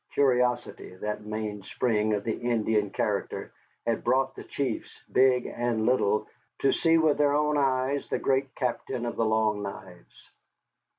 Curiosity, that mainspring of the Indian character, had brought the chiefs, big and little, to see with their own eyes the great Captain of the Long Knives.